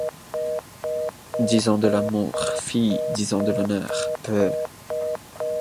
Disant de l'amour : fi ! disant de l'honneur : peuh !